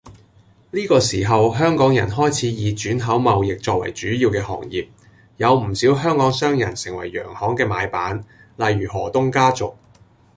呢個時候香港人開始以轉口貿易作為主要嘅行業，有唔少香港商人成為洋行嘅買辦，例如何東家族